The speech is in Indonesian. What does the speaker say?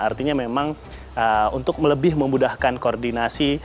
artinya memang untuk lebih memudahkan koordinasi